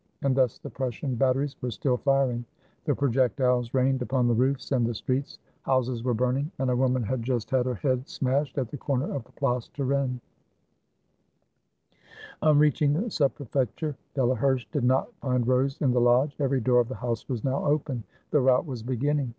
And thus the Prussian batteries were still firing; the projectiles rained upon the roofs and the streets, houses were burning, and a woman had just 398 THE WHITE FLAG OF SEDAN had her head smashed, at the corner of the Place Turenne. On reaching the Sub Prefecture, Delaherche did not find Rose in the lodge. Every door of the house was now open; the rout was beginning.